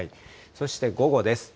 そして午後です。